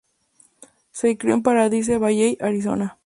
Se crio en Paradise Valley, Arizona.